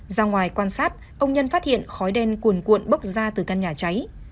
ra ngoài quan sát ông nhân phát hiện khói đen cuồn cuộn bốc ra từ căn nhà cháy